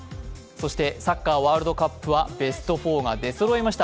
そしてサッカーワールドカップはベスト４が出そろいました。